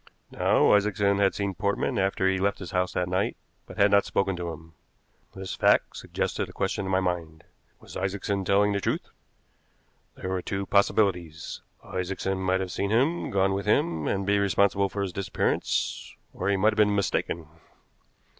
Now, Isaacson had seen Portman after he had left his house that night, but had not spoken to him. This fact suggested a question to my mind: was Isaacson telling the truth? There were two possibilities. Isaacson might have seen him, gone with him, and be responsible for his disappearance; or he might have been mistaken.